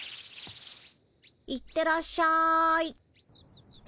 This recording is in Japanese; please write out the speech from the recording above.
行ってらっしゃい。